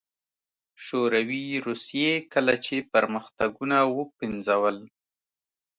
شوروي روسيې کله چې پرمختګونه وپنځول